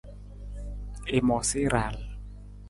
I moosa i raal.